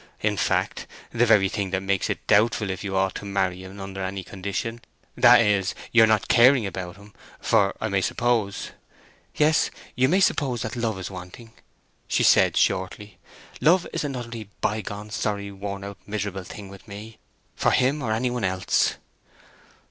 "In fact the very thing that makes it doubtful if you ought to marry en under any condition, that is, your not caring about him—for I may suppose—" "Yes, you may suppose that love is wanting," she said shortly. "Love is an utterly bygone, sorry, worn out, miserable thing with me—for him or any one else."